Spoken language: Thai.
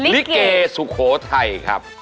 ลิเกสุโขทัยครับ